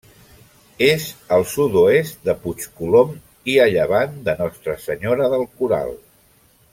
És al sud-oest de Puig Colom i a llevant de Nostra Senyora del Coral.